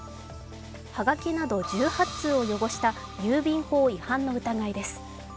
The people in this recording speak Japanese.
はがきなど１８通を汚した郵便法違反の疑いです。